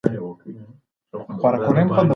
پخوا د ټولنې بدلونونه کم لیدل کېدل.